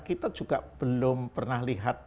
kita juga belum pernah lihat